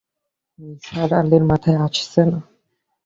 নিসার আলির মাথায় আসছে না।